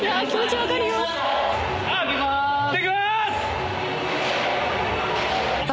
いってきます！